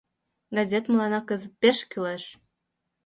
— Газет мыланна кызыт пеш кӱлеш.